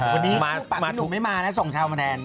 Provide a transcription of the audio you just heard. วันนี้มาถูกวันไม่มานะส่งเช้ามาแทน